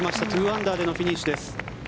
２アンダーでのフィニッシュです。